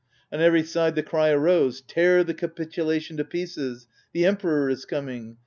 On every side the cry arose: " Tear the capitulation to pieces, the Em peror is coming!